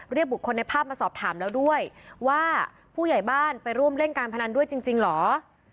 บุคคลในภาพมาสอบถามแล้วด้วยว่าผู้ใหญ่บ้านไปร่วมเล่นการพนันด้วยจริงเหรอ